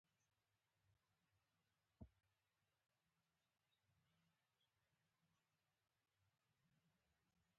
صنعتي تولیدات تر نییمایي کم شول.